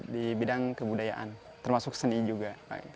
di bidang kebudayaan termasuk seni juga